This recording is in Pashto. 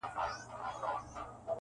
• اوس چي هر مُلا ته وایم خپل خوبونه -